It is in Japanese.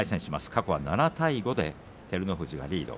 過去は７対５で照ノ富士がリード。